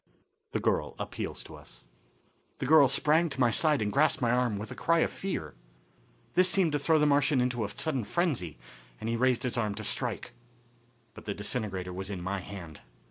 The Girl Appeals to Us. The girl sprang to my side and grasped my arm with a cry of fear. This seemed to throw the Martian into a sudden frenzy, and he raised his arms to strike. But the disintegrator was in my hand.